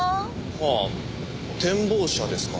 はあ展望車ですか。